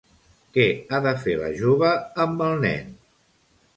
Què ha de fer la jove amb el nen?